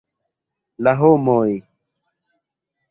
La homoj!..